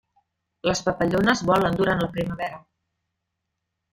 Les papallones volen durant la primavera.